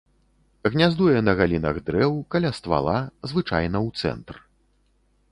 Гняздуе на галінах дрэў каля ствала, звычайна ў цэнтр.